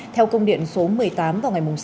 theo công điện số một mươi tám vào ngày sáu